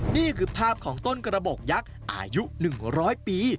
นี่คือภาพของต้นกระบอกยักษ์อายุ๑๐๐ปี